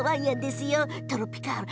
トロピカール！